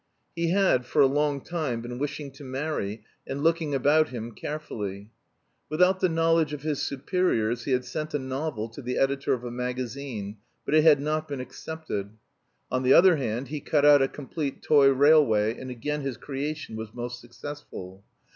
He had, for a long time, been wishing to marry and looking about him carefully. Without the knowledge of his superiors he had sent a novel to the editor of a magazine, but it had not been accepted. On the other hand, he cut out a complete toy railway, and again his creation was most successful.